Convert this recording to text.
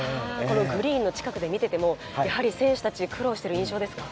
グリーンの近くで見てても、やはり選手たち、苦労している印象ですか。